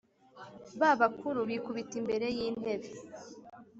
Ba bakuru bikubita imbere y’intebe